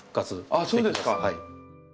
あっそうですか。